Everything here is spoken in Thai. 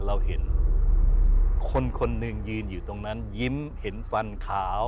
เราเห็นคนคนหนึ่งยืนอยู่ตรงนั้นยิ้มเห็นฟันขาว